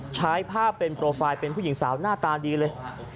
ใช้ภาพเป็นโปรไฟล์เป็นผู้หญิงสาวหน้าตาดีเลย